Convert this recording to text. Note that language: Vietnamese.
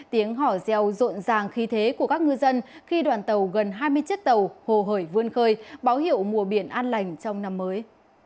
tiếng hò reo rộn ràng khí thế của các ngư dân khi đoàn tàu gần hai mươi chiếc tàu hồ hởi vươn khơi báo hiệu mùa biển an lành trong năm mới